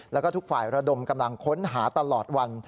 แล้วก็ทุกฝ่ายระดมกำลังค้นหาตลอดวัน